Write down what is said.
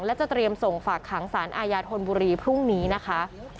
และจะเตรียมส่งฝากขังสารอาญาธนบุรีพรุ่งนี้นะคะ